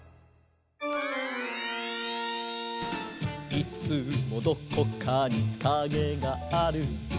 「いつもどこかにカゲがある」